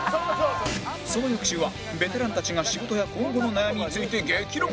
その翌週はベテランたちが仕事や今後の悩みについて激論！